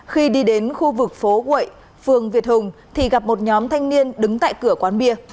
khi đi đến khu vực phố gậy phường việt hùng thì gặp một nhóm thanh niên đứng tại cửa quán bia